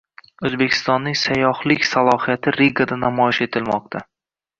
O‘zbekiston sayyohlik salohiyati Rigada namoyish etilmoqda